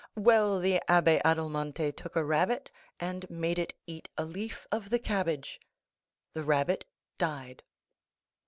Well, the Abbé Adelmonte took a rabbit, and made it eat a leaf of the cabbage. The rabbit died.